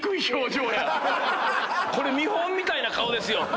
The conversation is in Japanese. これ見本みたいな顔ですよ。